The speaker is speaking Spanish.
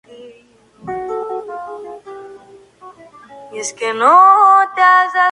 Nació en Florencia y murió en Pisa.